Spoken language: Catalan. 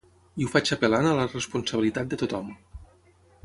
I ho faig apel·lant a la responsabilitat de tothom.